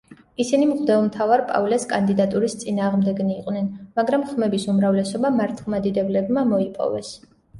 ისინი მღვდელმთავარ პავლეს კანდიდატურის წინააღმდეგნი იყვნენ, მაგრამ ხმების უმრავლესობა მართლმადიდებლებმა მოიპოვეს.